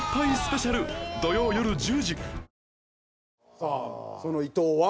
さあその伊藤は。